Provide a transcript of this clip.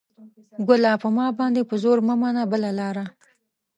ګله ! په ما باندې په زور مه منه بله لاره